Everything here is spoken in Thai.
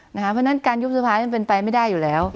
เพราะฉะนั้นการยุบสภามันเป็นไปไม่ได้อยู่แล้ว